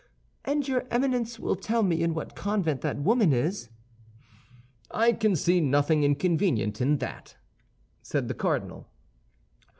"And your Eminence will tell me in what convent that woman is?" "I can see nothing inconvenient in that," said the cardinal.